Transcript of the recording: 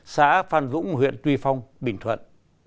xã phan dũng huyện tuy phong bình thuận